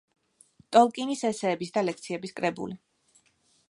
ტოლკინის ესეების და ლექციების კრებული.